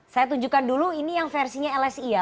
saya tunjukkan dulu ini yang versinya lsi ya